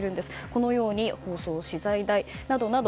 このように包装資材などなど